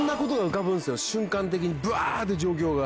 瞬間的にぶわって状況が。